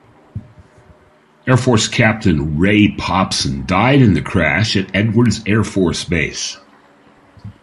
Air Force Captain Ray Popson died in the crash at Edwards Air Force Base.